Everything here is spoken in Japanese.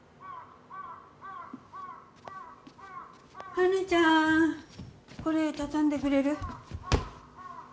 花ちゃん、これ畳んでくれる？